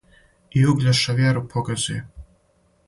И Угљеша вјеру погазио,